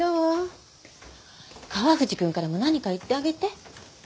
川藤君からも何か言ってあげて。